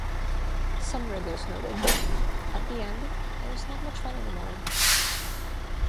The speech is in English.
Some regulars noted, At the end, it was not much fun anymore.